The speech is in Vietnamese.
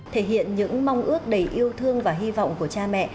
thể hiện những mong ước đầy yêu thương và hy vọng của cha mẹ